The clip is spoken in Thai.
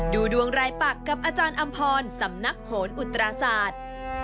ดูดวงรายปักกับอาจารย์อำพรสำนักโหนอุตราศาสตร์